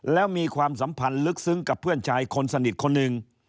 แล้วมีความสัมพันธ์ลึกซึ้งกับเพื่อนชายคนสนิทคนหนึ่ง